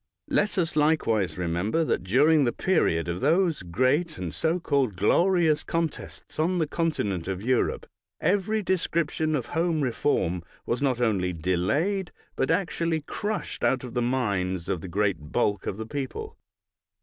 Let us likewise remember that during the period of those great and so called glorious contests on the continent of Europe, every de scription of home reform was not only delayed, but actually crushed out of the minds of the great bulk of the people.